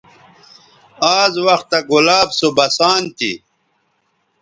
آز وختہ گلاب سو بسان تھی